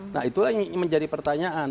nah itulah yang menjadi pertanyaan